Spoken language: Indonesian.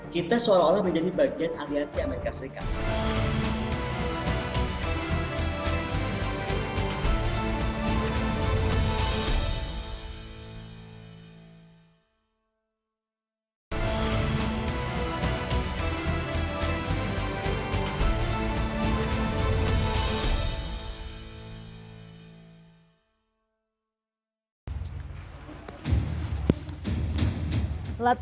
kita seolah olah menjadi bagian aliansi amerika serikat